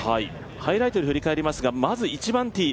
ハイライトで振り返りますが、まず１番ティー